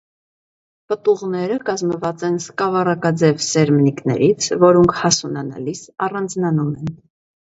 Պտուղները կազմված են սկավառակաձև սերմնիկներից, որոնք հասունանալիս առանձնանում են։